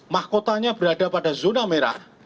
mahkotanya berada pada zona merah